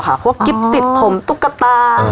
ว่ากิฟต์ชอปค่ะว่ากิฟต์ติดผมตุ๊กตา